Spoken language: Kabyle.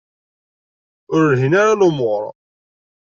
Ur lhin ara lumuṛ.